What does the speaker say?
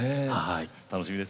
楽しみです。